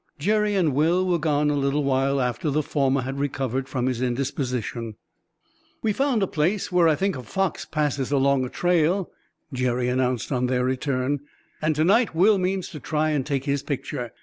Jerry and Will were gone a little while after the former had recovered from his indisposition. "We found a place where I think a fox passes along a trail," Jerry announced, on their return, "and to night Will means to try and take his picture.